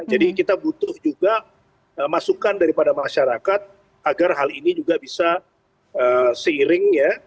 jadi kita butuh juga masukan daripada masyarakat agar hal ini juga bisa seiring ya